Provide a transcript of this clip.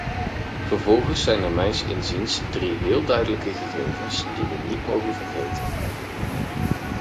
Vervolgens zijn er mijns inziens drie heel duidelijke gegevens die we niet mogen vergeten.